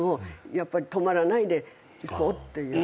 やっぱり止まらないでいこうっていう？